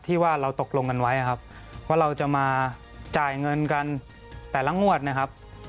ว่าเราตกลงกันไว้ครับว่าเราจะมาจ่ายเงินกันแต่ละงวดนะครับ